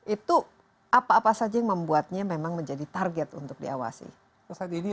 itu apa apa saja yang membuatnya memang menjadi target untuk diawasi